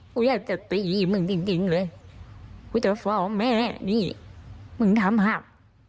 กูอยากจะตีมึงจริงจริงเลยกูจะฟ้องแม่นี่มึงทำหัก